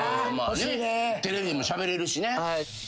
テレビでもしゃべれるしね。